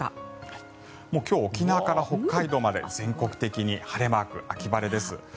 今日、沖縄から北海道まで全国的に晴れマーク秋晴れです。